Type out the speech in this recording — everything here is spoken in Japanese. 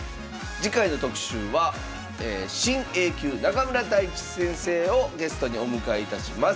次回の特集は新Ａ級・中村太地先生をゲストにお迎えいたします。